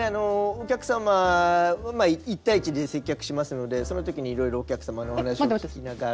お客様一対一で接客しますのでそのときにいろいろお客様のお話を聞きながら。